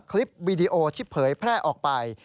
คลิปวีดีโอที่เผยแพร่ออกไป